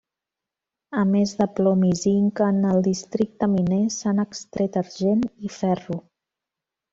A més de plom i zinc, en el districte miner s'han extret argent i ferro.